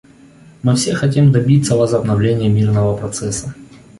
Мы все хотим добиться возобновления мирного процесса.